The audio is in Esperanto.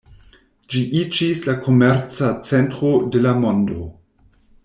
Ĝi iĝis la komerca centro de la mondo.